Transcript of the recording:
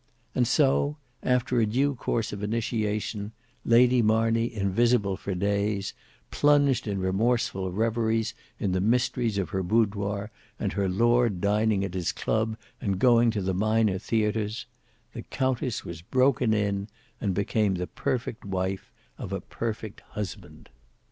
And so, after a due course of initiation, Lady Marney invisible for days, plunged in remorseful reveries in the mysteries of her boudoir, and her lord dining at his club and going to the minor theatres; the countess was broken in, and became the perfect wife of a perfect husband.